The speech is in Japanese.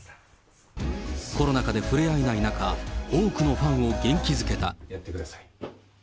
コロナ禍で触れ合えない中、多くのファンを元気づけた。